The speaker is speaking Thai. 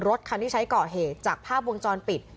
รถคันที่ใช้ก่อเหตุจากภาพวงจรปิด